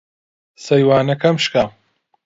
سەیوانەکەم شکا.